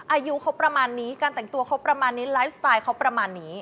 อายุเขาประมาณนี้การแต่งตัวเขาประมาณนี้ไลฟ์สไตล์เขาประมาณนี้